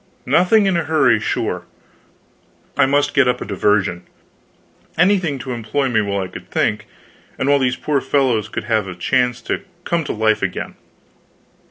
Nothing in a hurry, sure. I must get up a diversion; anything to employ me while I could think, and while these poor fellows could have a chance to come to life again.